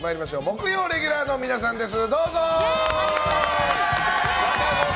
木曜レギュラーの皆さんです。